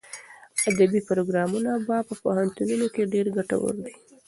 ادبي پروګرامونه په پوهنتونونو کې ډېر ګټور دي.